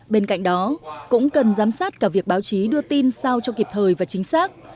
bên cạnh đó cũng cần giám sát cả việc báo chí đưa tin sao cho kịp thời và chính xác